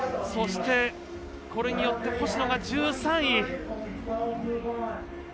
そして、これによって星野が１３位。